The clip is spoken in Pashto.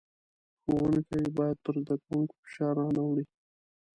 ښوونکی بايد پر زدکوونکو فشار را نۀ وړي.